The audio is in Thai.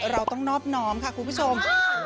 เราต้องนอบน้อมค่ะคุณผู้ชม